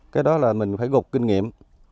cái đó là mình phải gục kinh nghiệm